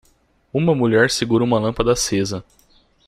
Uma mulher segura uma lâmpada acesa.